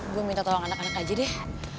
gue minta tolong anak anak aja deh